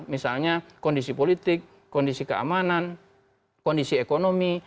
misalnya kondisi politik kondisi keamanan kondisi ekonomi